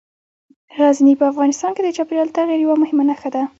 غزني په افغانستان کې د چاپېریال د تغیر یوه مهمه نښه ده.